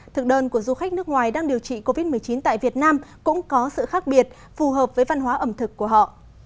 thực đơn của du khách nước ngoài đang điều trị covid một mươi chín tại việt nam cũng có sự khác biệt phù hợp với văn hóa ẩm thực của họ